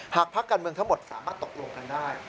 พักการเมืองทั้งหมดสามารถตกลงกันได้